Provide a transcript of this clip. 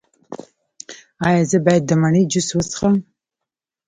ایا زه باید د مڼې جوس وڅښم؟